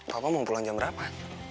bapak mau pulang jam berapa